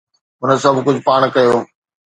هن سڀ ڪجهه پاڻ ڪيو